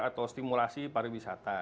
atau stimulasi pariwisata